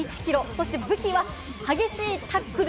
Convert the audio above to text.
そして武器は激しいタックル。